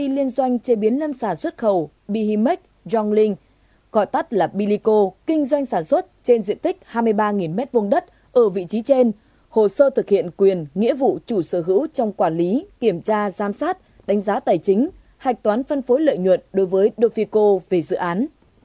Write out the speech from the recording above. liên doanh chế biến lâm sản xuất khẩu bihemec yonglink gọi tắt là bilico kinh doanh sản xuất trên diện tích hai mươi ba m hai đất ở vị trí trên hồ sơ thực hiện quyền nghĩa vụ chủ sở hữu trong quản lý kiểm tra giám sát đánh giá tài chính hạch toán phân phối lợi nhuận đối với dofico về dự án